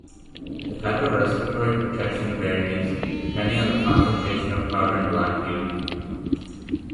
The type of respiratory protection varies, depending on the concentration of carbon black used.